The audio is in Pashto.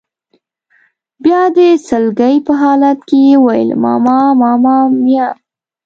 بیا د سلګۍ په حالت کې یې وویل: ماما ماما میا.